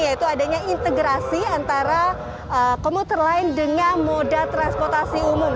yaitu adanya integrasi antara komuter lain dengan moda transportasi umum